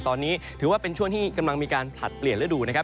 ตอนนี้ถือว่าเป็นช่วงที่กำลังมีการผลัดเปลี่ยนฤดูนะครับ